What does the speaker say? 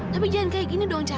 tapi jangan kayak gini dong cak